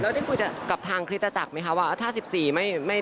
คือแม้ว่าจะมีการเลื่อนงานชาวพนักกิจแต่พิธีไว้อาลัยยังมีครบ๓วันเหมือนเดิม